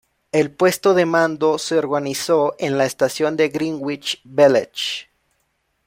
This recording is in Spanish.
El puesto de mando se organizó en la estación de Greenwich Village.